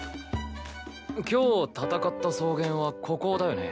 今日戦った草原はここだよね？